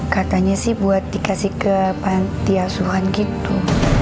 katanya sih buat dikasih ke pantiasuhan gitu